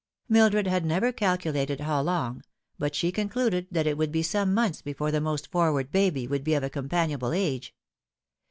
Mildred had never calculated how long, but she concluded that it would be some months before the most for ward baby would be of a companionable age.